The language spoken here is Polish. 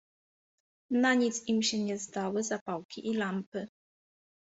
Na nic im się nie zdały zapałki i lampy.